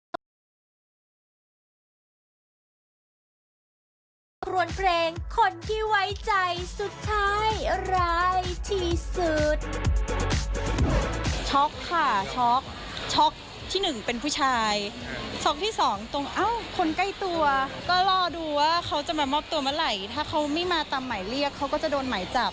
ส่วนหนึ่งเจ้าตัวมั่นใจเป็น